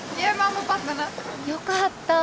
よかった。